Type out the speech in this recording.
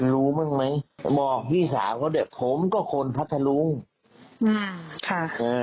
รู้มั้งไหมบอกพี่สาวว่าเดี๋ยวผมก็คนพัฒนรุงอืมค่ะเออ